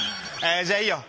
じゃあいいよ。